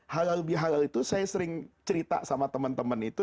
halal bihalal itu saya sering cerita sama teman teman itu